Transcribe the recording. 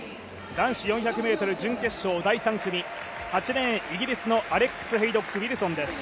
男子４００ｍ準決勝第３組８レーン、イギリスのアレックス・へイドック・ウィルソンです。